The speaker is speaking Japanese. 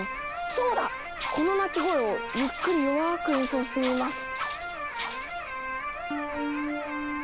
この鳴き声をゆっくり弱く演奏してみます！